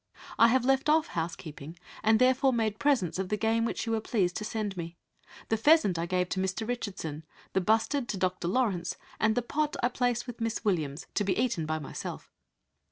I have left off housekeeping, and therefore made presents of the game which you were pleased to send me. The pheasant I gave to Mr. Richardson, the bustard to Dr. Lawrence, and the pot I placed with Miss Williams, to be eaten by myself....